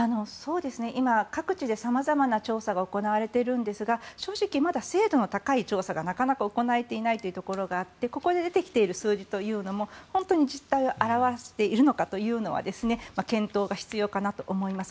今、各地で様々な調査が行われているんですが正直まだ精度の高い調査がまだ行われていないところがあってここで出てきている数字というのも本当に実態を表しているのかは検討が必要かなと思います。